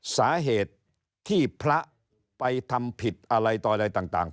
สาเหตุที่พระไปทำผิดอะไรต่ออะไรต่าง